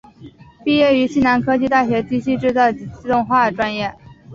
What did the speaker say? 毕业于西南科技大学机械制造及自动化专业。